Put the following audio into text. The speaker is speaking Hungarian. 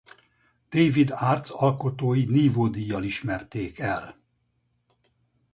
David Arts Alkotói Nívódíjjal ismerték el.